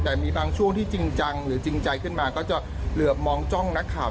แต่มีบางช่วงที่จริงจังหรือจริงใจขึ้นมาก็จะเหลือบมองจ้องนักข่าว